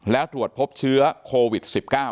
แล้วตรวจพบเชื้อโควิด๑๙